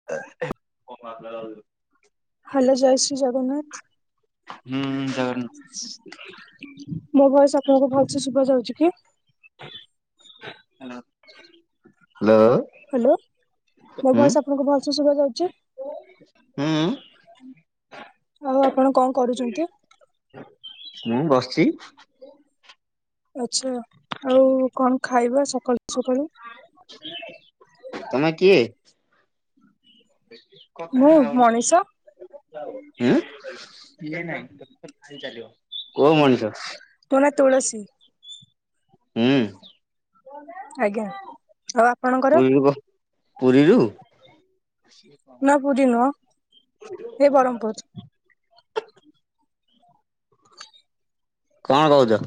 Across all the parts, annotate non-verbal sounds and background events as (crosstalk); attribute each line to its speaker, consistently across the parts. Speaker 1: (unintelligible)
Speaker 2: Hello ଜୟ ଶ୍ରୀ ଜଗନ୍ନାଥ।
Speaker 1: ହୁଁ ଜଗନ୍ନାଥ।
Speaker 2: ମୋ ଭଏସ ଆପଣଙ୍କୁ ଭଲସେ ଶୁଭା ଯାଉଚି କି?
Speaker 1: ହାଲୋ ହାଲୋ
Speaker 2: ହାଲୋ, ମୋ ଭଏସ ଆପଣଙ୍କୁ ଭଲସେ ଶୁଭାଯାଉଛି?
Speaker 1: ଉୁଁ ଉୁଁ
Speaker 2: ଆଉ ଆପଣ କଣ କରୁଚନ୍ତି?
Speaker 1: ମୁଁ ବସିଛି।
Speaker 2: ଆଛା, ଆଉ କଣ ଖାଇବା ସକାଳୁ ସକାଳୁ?
Speaker 1: ତମେ କିଏ?
Speaker 2: ମୁଁ
Speaker 1: କଥା
Speaker 2: ମଣିଷ
Speaker 1: ହୋଉନୁ ଉଁ। କୋଉ ମଣିଷ?
Speaker 2: ମୋ ନା ତୁଳସୀ
Speaker 1: ହୁଁ।
Speaker 2: ଆଜ୍ଞା। ଆଉ ଆପଣଙ୍କର
Speaker 1: ପୁରୀରୁ ବ ପୁରୀରୁ?
Speaker 2: ନା ପୁରୀ ନୁହ ଏ ବ୍ରହ୍ମପୁର।
Speaker 1: କଣ କହୁଛ?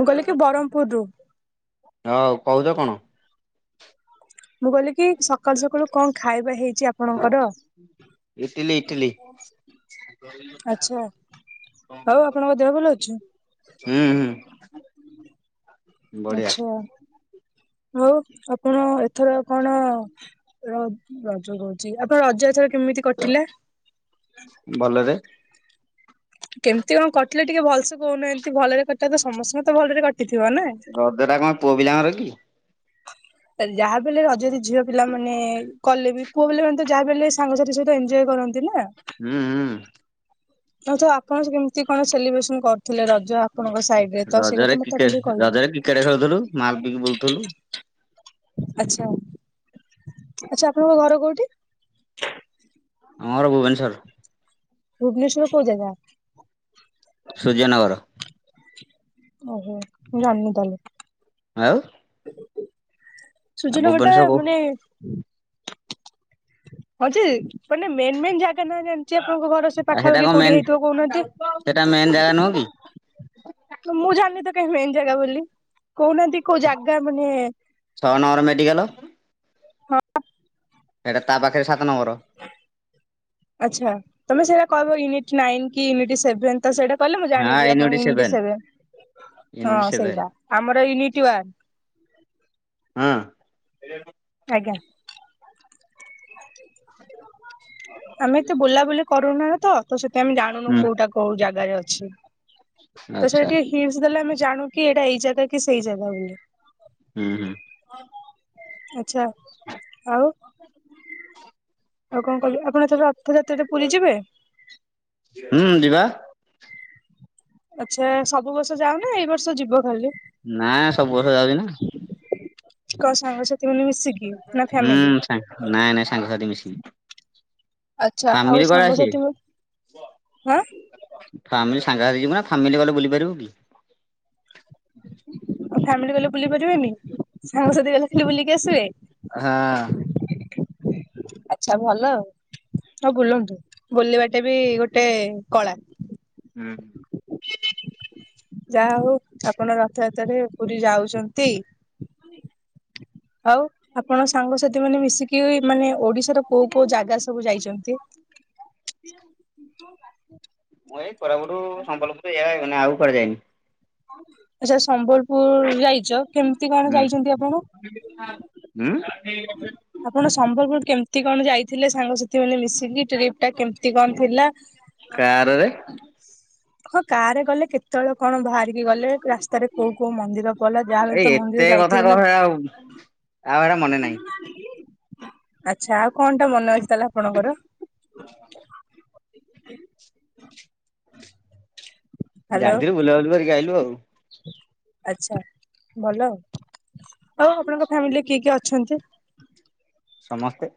Speaker 2: ମୁଁ କହିଲି କି ବ୍ରହ୍ମପୁରରୁ।
Speaker 1: ହଁ କହୁଛ କଣ?
Speaker 2: ମୁଁ କହିଲି କି ସକାଳୁ ସକାଳୁ କଣ ଖାଇବା ହେଇଛି ଆପଣଙ୍କର?
Speaker 1: ଇଟିଲି ଇଟିଲି
Speaker 2: ଆଛା ହଉ ଆପଣଙ୍କ ଦେହ ଭଲ ଅଛି?
Speaker 1: ହୁଁ ହୁଁ। ବଢିଆ
Speaker 2: ଆଛା ଆଉ ଆପଣ ଏଥର କଣ ର ରଜ କହୁଛି। ଆପଣଙ୍କ ରଜ ଏଥର କେମିତି କଟିଲା?
Speaker 1: ଭଲରେ।
Speaker 2: କେମିତି କଣ କଟିଲା ଟିକେ ଭଲସେ କହୁନାହାନ୍ତି। ଭଲରେ କଟିଲା ତ ସମସ୍ତଙ୍କର ତ ଭଲରେ କଟିଥିବ ନା।
Speaker 1: ରଜଟା କଣ ପୁଅ ପିଲାଙ୍କର କି?
Speaker 2: ଯାହାବି ହେଲେ ରଜରେ ଝିଅ ପିଲା ମାନେ କଲେବି, ପୁଅ ପିଲା ମାନେତ ଯାହାବି ହେଲେ ସାଙ୍ଗସାଥି ସହିତ ଏଞ୍ଜୟ କରନ୍ତି। ତିନା?
Speaker 1: ହୁଁ ହୁଁ
Speaker 2: ଆଛା ଆପଣ ସେ କେମିତି କଣ ସେଲିବ୍ରେସନ କରୁ ଥିଲା ରଜ ଆପଣଙ୍କ ସାଇଡରେତ
Speaker 1: ରଜରେ
Speaker 2: ସେଇକଥା ମତେ
Speaker 1: କ୍ରିକେଟ
Speaker 2: ଆପଣ ଟିକେ
Speaker 1: ରଜରେ କ୍ରିକେଟ ଖେଳୁଥିଲୁ ମାଲ ପିକି ବୁଲୁଥିଲୁ।
Speaker 2: କହିବେ। ଆଛା, ଆଛା ଆପଣଙ୍କ ଘର କୋଉଠି?
Speaker 1: ଆମ ଘର ଭୁବନେଶ୍ୱର।
Speaker 2: ଭୁବନେଶ୍ୱର କୋଉ ଜାଗା?
Speaker 1: ସୂର୍ଯ୍ୟନଗର।
Speaker 2: ଓହୋ ମୁଁ ଜାଣିନି
Speaker 1: ଆଉ
Speaker 2: ତାହେଲେ।
Speaker 1: ଆଉ
Speaker 2: ସୂର୍ଯ୍ୟନଗରଟା
Speaker 1: ଭୁବନେଶ୍ୱର କୋଉ
Speaker 2: ମାନେ ହଁ ଯେ ମେନ ମେନ ଯାଗ୍ କାଇନା ଜାଣିଛି ଆପଣଙ୍କ ଘର ସେ ପାଖା ପାଖି କୋଉଠି ହେଇଥିବ କହୁନାହାନ୍ତି?
Speaker 1: ସେଇଟା ମେନ୍ ଜାଗା ନୁହଁ କି?
Speaker 2: ମୁଁ ଜାଣିଲି ତ କାହି ମେନ୍ ଜାଗା ବୋଲି କହୁନାହାନ୍ତି କୋଉ ଜାଗା ମାନେ
Speaker 1: ଛଅ ନମ୍ୱର ମେଡ଼ିକାଲ ସେଇଟା ତା ପାଖରେ ସାତ ନମ୍ବର
Speaker 2: ଆଛା ତମେ ସେଇଟା କହିବ ୟୁନିଟ ନାଇନ କି ୟୁନିଟ ସେଭେନ ତ ସେଇଟା କହିଲେ ମୁଁ
Speaker 1: ହଁ
Speaker 2: ଜାଣିବି
Speaker 1: ୟୁନିଟ
Speaker 2: ଆପଣଙ୍କ
Speaker 1: ସେଭେନ
Speaker 2: ବିଷୟରେ
Speaker 1: ୟୁନିଟ
Speaker 2: ହଁ
Speaker 1: ସେଭେନ
Speaker 2: ସେଇଟା ଆମର ୟୁନିଟି ୱାନ।
Speaker 1: ହୁଁ।
Speaker 2: ଆଜ୍ଞା। ଆମେ ଏତେ ବୁଲାବୁଲି କରୁନା ତ ସେଥିପାଇଁ ଆମେ ଜାଣୁନୁ
Speaker 1: ହୁଁ
Speaker 2: କୋଉଟା କୋଉ ଜାଗାରେ ଅଛି। ତ ସେ
Speaker 1: ଆଚ୍ଛା
Speaker 2: ଟିକେ ହିଣ୍ଟସ ଦେଲେ ଆମେ ଜାଣୁ କି ଏଇଟା ଏଇ ଜାଗା କି ସେଇ ଜାଗା ବୋଲି।
Speaker 1: ହୁଁ ହୁଁ।
Speaker 2: ଆଚ୍ଛା ଆଉ ଆଉ କଣ କହିଲେ? ଆପଣ ଏଥର ରଥଯାତ୍ରାରେ ପୁରୀ ଯିବେ?
Speaker 1: ହୁଁ ଯିବା
Speaker 2: ଆଚ୍ଛା ସବୁ ବର୍ଷ ଯାଉନା ଏଇ ବର୍ଷ ଯିବ ଖାଲି?
Speaker 1: ନା ସବୁ ବର୍ଷ ଯାଉଛି ନା।
Speaker 2: କଣ ସାଙ୍ଗସାଥି ମାନେ ମିଶିକି ନା ଫ୍ୟାମିଲି?
Speaker 1: ତାଙ୍କ୍ ନାଇଁ ନାଇଁ ସାଙ୍ଗସାଥି ମିଶିକି।
Speaker 2: ଆଚ୍ଛା ଆଉ
Speaker 1: ଫାମିଲି କୁଆଡେ ଆସିବେ?
Speaker 2: ସାଙ୍ଗସାଥି ମ ହାଁ
Speaker 1: ଫାମିଲି ସାଙ୍ଗ ସାଥି ଯିବୁନା ଫାମିଲି ଗଲେ ବୁଲି ପାରିବୁକି।
Speaker 2: ଫ୍ୟାମିଲି ଗଲେ ବୁଲି ପାରିବେନି? ସାଙ୍ଗସାଥି ଗଲେ ଖାଲି ବୁଲିକି ଆସିବେ?
Speaker 1: ହଁ।
Speaker 2: ଆଛା ଭଲ ଆଉ। ହଁ ବୁଲନ୍ତୁ ବୁଲିବାଟା ବି ଗୋଟେ କଳା।
Speaker 1: ହୁଁ।
Speaker 2: ଯାହା ହଉ ଆପଣ ରଥଯାତ୍ରରେ ପୁରୀ ଯାଉଛନ୍ତି। ଆଉ ଆପଣ ସାଙ୍ଗସାଥି ମାନେ ମିଶିକି ମାନେ ଓଡିଶାର କୋଉ କୋଉ ଜାଗା ସବୁ ଯାଇଛନ୍ତି?
Speaker 1: ମୁଁ ଏଇ କୋରାପୁଟରୁ ସମ୍ବଲପୁରରେ ଏଇଆ ନା ଆଉ କୁଆଡେ ଯାଇନି।
Speaker 2: ଆଚ୍ଛା ସମ୍ବଲପୁର ଯାଇଛ କେମିତି କଣ ଯାଇଛନ୍ତି ଆପଣ?
Speaker 1: ଉଁ।
Speaker 2: ଆପଣ ସମ୍ବଲପୁର କେମିତି କଣ ଯାଇଥିଲେ ସାଙ୍ଗସାଥି ମାନେ ମିଶିକି? ଟ୍ରିପ୍ଟା କେମିତି କଣ ଥିଲା?
Speaker 1: କାରରେ।
Speaker 2: ହଁ କାରରେ ଗଲେ। କେତେବେଳେ କଣ ବାହାରିକି ଗଲେ? ରାସ୍ତାରେ କୋଉ କୋଉ ମନ୍ଦିର ଗଲା ଯାହାବି ହେଲେ
Speaker 1: ଏଇ
Speaker 2: ତ ମନ୍ଦିର
Speaker 1: ଏତେ କଥା
Speaker 2: ଯାଇଥିବେ
Speaker 1: କହ
Speaker 2: ନା?
Speaker 1: ଆଉ ଆଉ ସେଗୁରା ମନେ ନାହିଁ।
Speaker 2: ଆଚ୍ଛା ଆଉ କଣଟା ମନେ ଅଛି ତାହାଲେ ଆପଣଙ୍କର?
Speaker 1: (inaudible)
Speaker 2: ଁ
Speaker 1: ଯାଇଥିଲୁ ବୁଲାବୁଲି କରିକି ଆଇଲୁ ଆଉ।
Speaker 2: ଆଚ୍ଛା ଭଲ ଆଉ। ଆଉ ଆପଣଙ୍କ ଫ୍ୟାମିଲିରେ କିଏ କିଏ ଅଛନ୍ତି?
Speaker 1: ସମସ୍ତେ।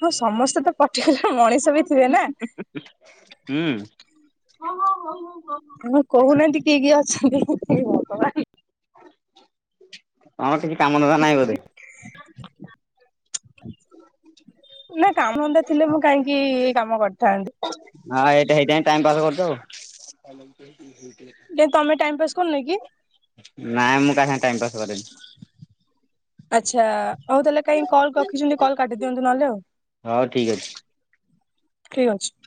Speaker 2: ହଁ ସମସ୍ତେ ତ ପଟିକୁଲାର ମଣିଷ ବି ଥିବେ ନା?
Speaker 1: ହୁଁ
Speaker 2: ମୁଁ କହୁନାହାନ୍ତି କିଏ କିଏ ଅଛନ୍ତି? ହେ ଭଗବାନ୍।
Speaker 1: ତମର କିଛି କାମ ଧନ୍ଦା ନାହିଁ ବୋଧେ?
Speaker 2: (inaudible) ନା କାମ ଧନ୍ଦା ଥିଲେ ମୁଁ କାହିଁକି ଏଇ କାମ କରିଥାନ୍ତି।
Speaker 1: ହଁ ଏଇଟା ସେଇଥିପାଇଁ ଟାଇମ ପାସ୍ କରୁଛ ଆଉ। (unintelligible)
Speaker 2: କାଇଁ ତମ ଟାଇମ ପାସ୍ କରୁନ କି?
Speaker 1: ନାଇଁ ମୁଁ କାହା ସାଙ୍ଗେରେ ଟାଇମ ପାସ୍ କରେନି।
Speaker 2: ଆଚ୍ଛା ହଉ ତାହେଲେ କାହିଁ କଲ୍ ରଖିଛନ୍ତି କଲ୍ କାଟିଦିଅନ୍ତୁ ନହେଲେ ଆଉ।
Speaker 1: ହଉ ଠିକ ଅଛି
Speaker 2: ଠିକ୍ ଅଛି।